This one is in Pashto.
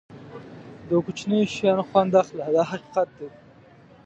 د کوچنیو شیانو خوند اخله دا حقیقت دی.